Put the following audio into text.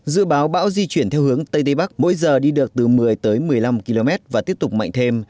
dự báo bão di chuyển theo hướng tây tây bắc mỗi giờ đi được từ một mươi tới một mươi năm km và tiếp tục mạnh thêm